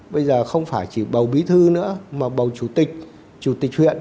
bây giờ không phải chỉ bầu bí thư nữa mà bầu chủ tịch chủ tịch huyện